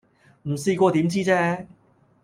唔試過點知啫